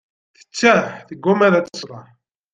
Teččeḥ, tegguma ad tecḍeḥ.